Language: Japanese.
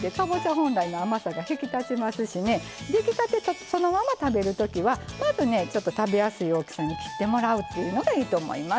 本来の甘さが引き立ちますし出来たて、そのまま食べるときはまず、食べやすい大きさに切ってもらうというのがいいと思います。